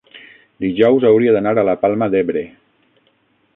dijous hauria d'anar a la Palma d'Ebre.